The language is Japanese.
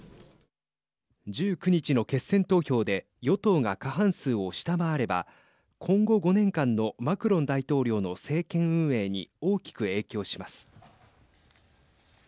１９日の決選投票で与党が過半数を下回れば今後５年間のマクロン大統領の政権運営に大きく影響します。